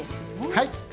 はい。